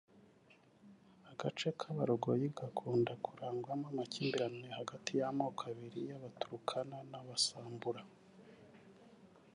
Agace ka Baragoi gakunda kurangwamo amakimbirane hagati y’amoko abiri y’aba Turkana n’aba Samburu